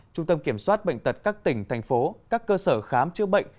trung tâm kiểm soát bệnh tật các tỉnh thành phố các cơ sở khám chữa bệnh